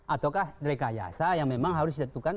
ataukah rekayasa yang memang harus ditentukan